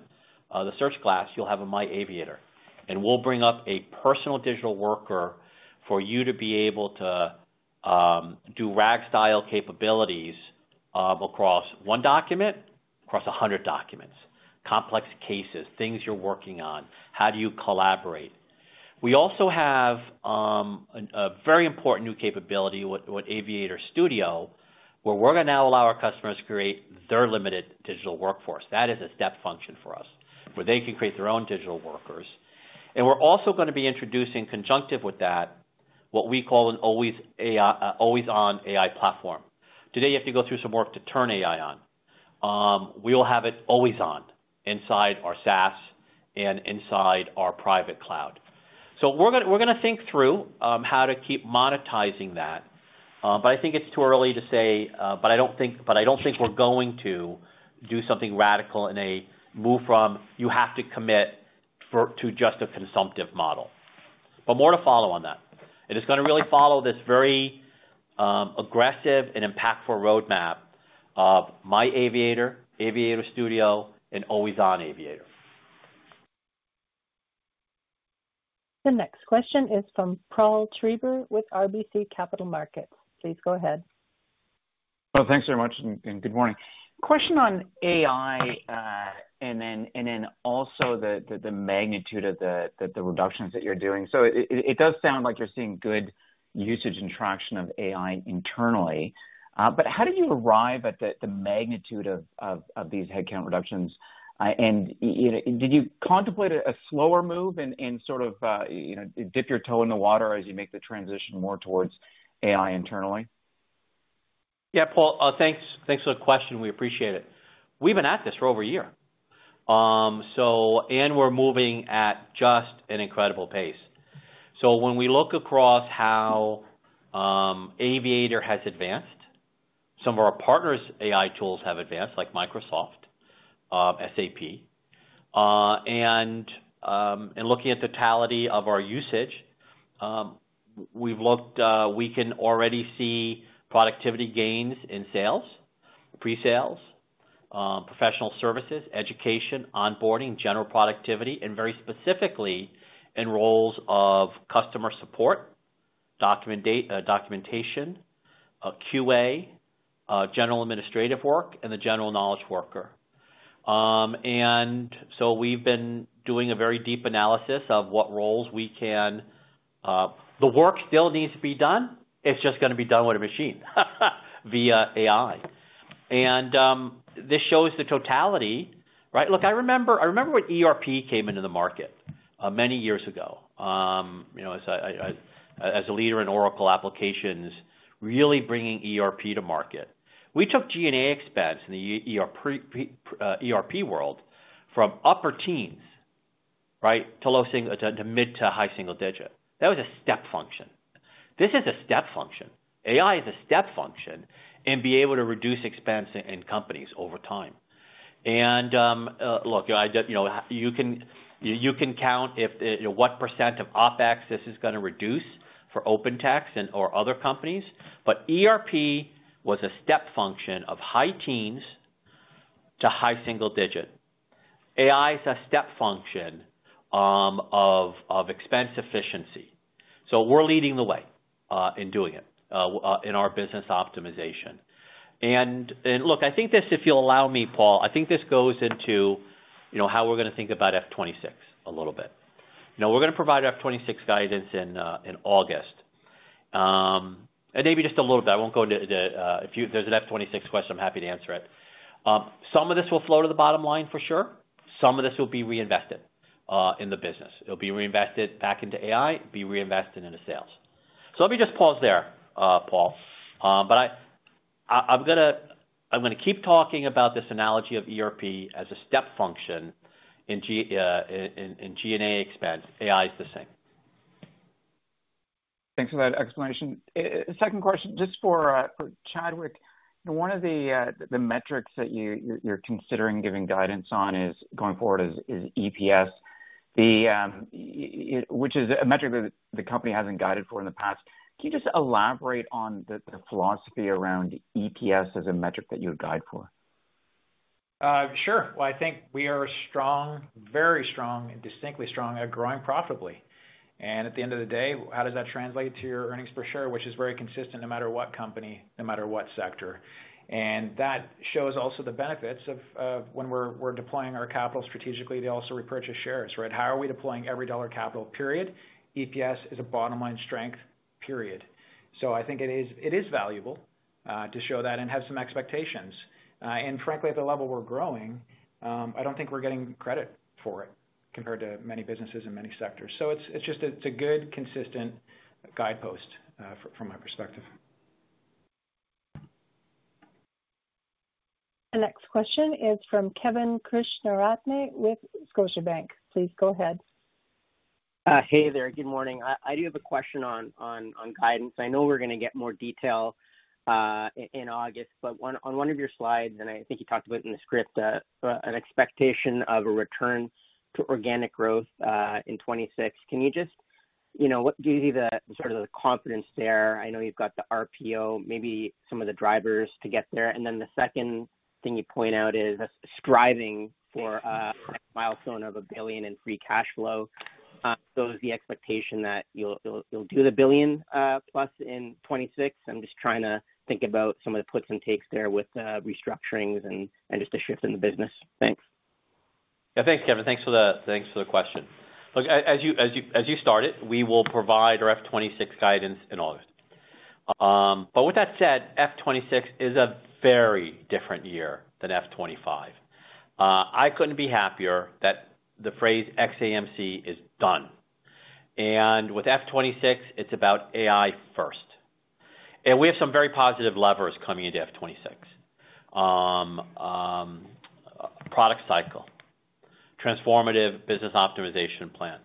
the search glass, you'll have a My Aviator. We'll bring up a personal digital worker for you to be able to do RAG-style capabilities across one document, across 100 documents, complex cases, things you're working on, how do you collaborate. We also have a very important new capability with Aviator Studio where we're going to now allow our customers to create their limited digital workforce. That is a step function for us where they can create their own digital workers. We're also going to be introducing conjunctive with that what we call an Always On AI platform. Today, you have to go through some work to turn AI on. We will have it always on inside our SaaS and inside our private cloud. We are going to think through how to keep monetizing that. I think it is too early to say, but I do not think we are going to do something radical in a move from you have to commit to just a consumptive model. More to follow on that. It is going to really follow this very aggressive and impactful roadmap of My Aviator, Aviator Studio, and Always On Aviator. The next question is from Paul Treiber with RBC Capital Markets. Please go ahead. Thanks very much. Good morning. Question on AI and then also the magnitude of the reductions that you are doing. It does sound like you are seeing good usage and traction of AI internally. How did you arrive at the magnitude of these headcount reductions? Did you contemplate a slower move and sort of dip your toe in the water as you make the transition more towards AI internally? Yeah, Paul, thanks for the question. We appreciate it. We've been at this for over a year. We're moving at just an incredible pace. When we look across how Aviator has advanced, some of our partners' AI tools have advanced, like Microsoft, SAP. Looking at totality of our usage, we can already see productivity gains in sales, pre-sales, professional services, education, onboarding, general productivity, and very specifically in roles of customer support, documentation, QA, general administrative work, and the general knowledge worker. We've been doing a very deep analysis of what roles we can. The work still needs to be done. It's just going to be done with a machine via AI. This shows the totality, right? Look, I remember when ERP came into the market many years ago as a leader in Oracle applications, really bringing ERP to market. We took G&A expense in the ERP world from upper teens, right, to low to mid to high single digit. That was a step function. This is a step function. AI is a step function and be able to reduce expense in companies over time. You can count what percent of OpEx this is going to reduce for OpenText or other companies. ERP was a step function of high teens to high single digit. AI is a step function of expense efficiency. We're leading the way in doing it in our business optimization. I think this, if you'll allow me, Paul, I think this goes into how we're going to think about fiscal 2026 a little bit. We're going to provide fiscal 2026 guidance in August. Maybe just a little bit. I won't go into if there's an fiscal 2026 question, I'm happy to answer it. Some of this will flow to the bottom line for sure. Some of this will be reinvested in the business. It'll be reinvested back into AI, be reinvested into sales. Let me just pause there, Paul. I'm going to keep talking about this analogy of ERP as a step function in G&A expense. AI is the same. Thanks for that explanation. Second question, just for Chadwick, one of the metrics that you're considering giving guidance on going forward is EPS, which is a metric that the company hasn't guided for in the past. Can you just elaborate on the philosophy around EPS as a metric that you would guide for? Sure. I think we are strong, very strong, and distinctly strong at growing profitably. At the end of the day, how does that translate to your earnings per share, which is very consistent no matter what company, no matter what sector? That shows also the benefits of when we're deploying our capital strategically, they also repurchase shares, right? How are we deploying every dollar capital, period? EPS is a bottom-line strength, period. I think it is valuable to show that and have some expectations. Frankly, at the level we're growing, I don't think we're getting credit for it compared to many businesses in many sectors. It's a good, consistent guidepost from my perspective. The next question is from Kevin Krishnaratne with Scotiabank. Please go ahead. Hey there. Good morning. I do have a question on guidance. I know we're going to get more detail in August, but on one of your slides, and I think you talked about it in the script, an expectation of a return to organic growth in 2026. Can you just what gives you the sort of the confidence there? I know you've got the RPO, maybe some of the drivers to get there. The second thing you point out is striving for a milestone of a billion in free cash flow. Is the expectation that you'll do the billion-plus in 2026? I'm just trying to think about some of the puts and takes there with restructurings and just a shift in the business. Thanks. Yeah. Thanks, Kevin. Thanks for the question. Look, as you started, we will provide our fiscal 2026 guidance in August. With that said, fiscal 2026 is a very different year than fiscal 2025. I couldn't be happier that the phrase ex-AMC is done. With fiscal 2026, it's about AI First. We have some very positive levers coming into fiscal 2026: product cycle, transformative Business Optimization Plan,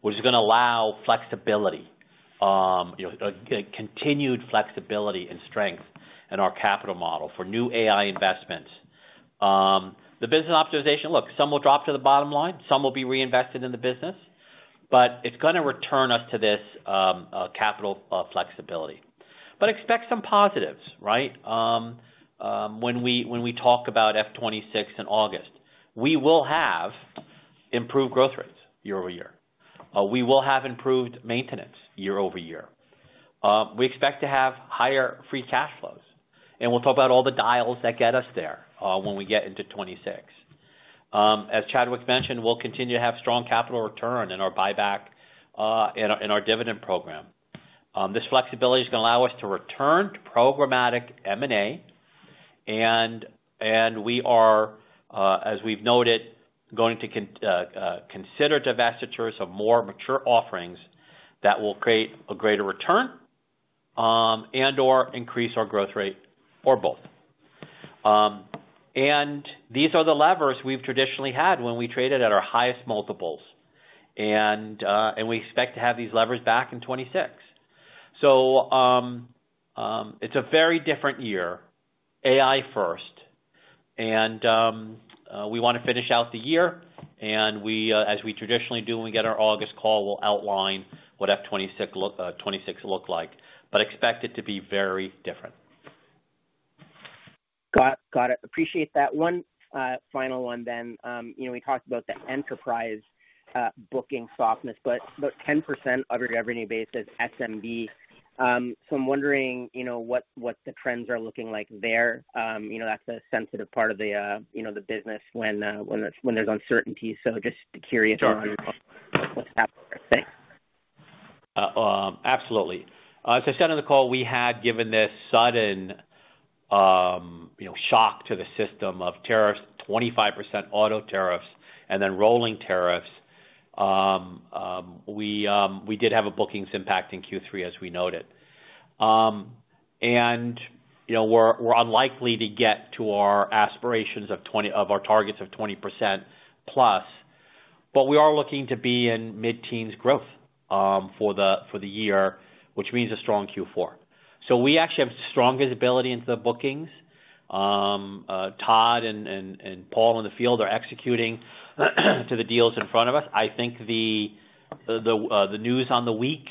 which is going to allow flexibility, continued flexibility and strength in our capital model for new AI investments. The business optimization, look, some will drop to the bottom line. Some will be reinvested in the business. It is going to return us to this capital flexibility. Expect some positives, right? When we talk about fiscal 2026 in August, we will have improved growth rates year-over-year. We will have improved maintenance year-over-year. We expect to have higher free cash flows. We will talk about all the dials that get us there when we get into 2026. As Chadwick mentioned, we will continue to have strong capital return in our buyback and our dividend program. This flexibility is going to allow us to return to programmatic M&A. We are, as we've noted, going to consider divestitures of more mature offerings that will create a greater return and/or increase our growth rate or both. These are the levers we've traditionally had when we traded at our highest multiples. We expect to have these levers back in 2026. It is a very different year, AI first. We want to finish out the year. As we traditionally do when we get our August call, we'll outline what 2026 looked like. Expect it to be very different. Got it. Appreciate that. One final one then. We talked about the enterprise booking softness, but about 10% of your revenue base is SMB. I'm wondering what the trends are looking like there. That is a sensitive part of the business when there is uncertainty. Absolutely. As I said on the call, we had given this sudden shock to the system of tariffs, 25% auto tariffs, and then rolling tariffs. We did have a bookings impact in Q3, as we noted. We're unlikely to get to our aspirations of our targets of 20% plus. We are looking to be in mid-teens growth for the year, which means a strong Q4. We actually have the strongest ability into the bookings. Todd and Paul in the field are executing to the deals in front of us. I think the news on the week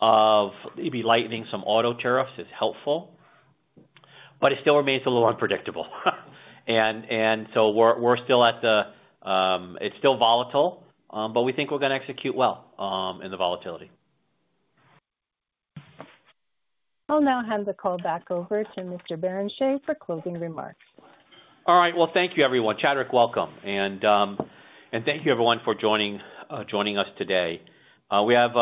of maybe lightening some auto tariffs is helpful. It still remains a little unpredictable. We're still at the it's still volatile. We think we're going to execute well in the volatility. I'll now hand the call back over to Mr. Barrenechea for closing remarks. Thank you, everyone. Chadwick, welcome. And thank you, everyone, for joining us today. We have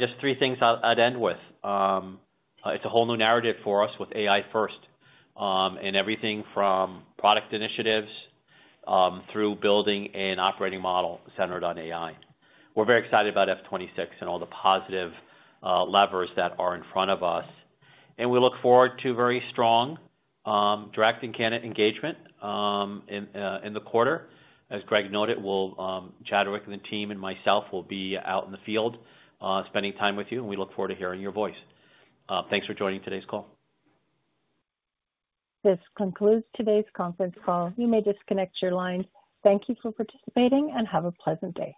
just three things I'd end with. It's a whole new narrative for us with AI First and everything from product initiatives through building an operating model centered on AI. We are very excited about fiscal 2026 and all the positive levers that are in front of us. We look forward to very strong direct and candidate engagement in the quarter. As Greg noted, Chadwick and the team and myself will be out in the field spending time with you. We look forward to hearing your voice. Thanks for joining today's call. This concludes today's conference call. You may disconnect your lines. Thank you for participating and have a pleasant day.